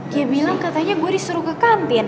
dia bilang katanya gue disuruh ke kantin